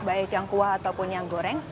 baik yang kuah ataupun yang goreng